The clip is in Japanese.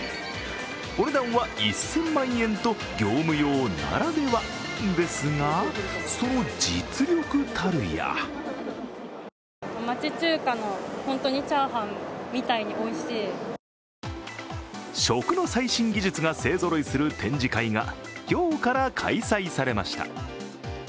お値段は１０００万円と業務用ならではですが、その実力たるや食の最新技術が勢ぞろいする展示会が今日から開催されました。